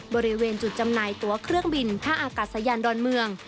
บริเวณจุดจำหน่ายตัวเครื่องบินท่าอากาศยานดอนเมือง